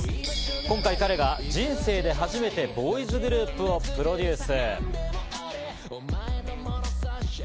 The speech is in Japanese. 今回、彼が人生で初めてボーイズグループをプロデュース。